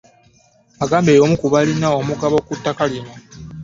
Agambye y'omu ku balina omugabo ku ttaka lino.